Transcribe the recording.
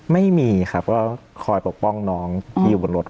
ไม่มีค่ะก็คอยปกป้องน้องอยู่ของรถ